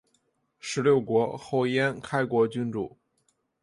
十六国后燕开国君主。